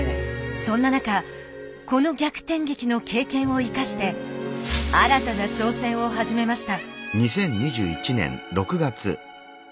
そんな中この逆転劇の経験を生かして新たな挑戦を始めました。